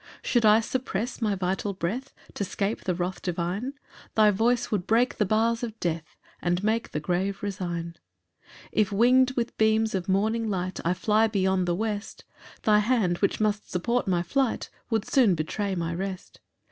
7 Should I suppress my vital breath To 'scape the wrath divine, Thy voice would break the bars of death, And make the grave resign. 8 If wing'd with beams of morning light, I fly beyond the west, Thy hand, which must support my flight, Would soon betray my rest.